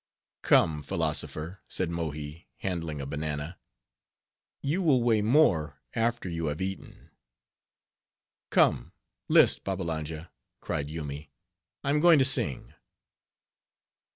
"Come, philosopher," said Mohi, handling a banana, "you will weigh more after you have eaten." "Come, list, Babbalanja," cried Yoomy, "I am going to sing."